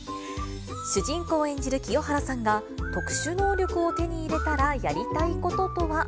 主人公を演じる清原さんが、特殊能力を手に入れたらやりたいこととは。